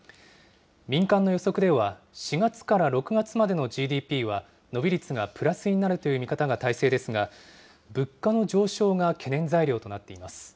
民間の予測では、４月から６月までのＧＤＰは、伸び率がプラスになるという見方が大勢ですが、物価の上昇が懸念材料となっています。